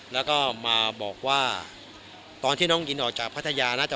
แล้วก็มาบอกว่าตอนที่น้องอินออกจากพัทยาน่าจะ